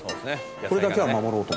これだけは守ろうと。